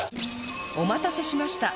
お待たせしました